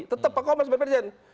tetap pak komar sebagai presiden